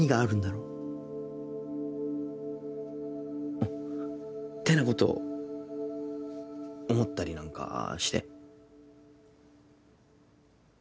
おってなことを思ったりなんかして。